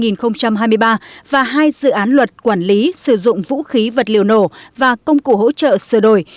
năm hai nghìn hai mươi ba và hai dự án luật quản lý sử dụng vũ khí vật liệu nổ và công cụ hỗ trợ sửa đổi